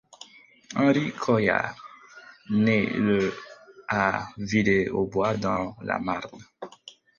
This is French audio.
Henri Collard nait le à Villers-aux-Bois dans la Marne.